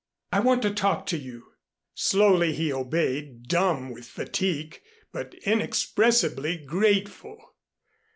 I want to talk to you." Slowly he obeyed, dumb with fatigue, but inexpressibly grateful.